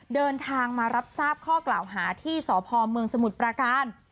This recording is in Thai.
เดินทางมารับทราบข้อกล่าวหาที่สพเมืองสมุทรประการ